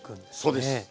そうです。